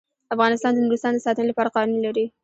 افغانستان د نورستان د ساتنې لپاره قوانین لري.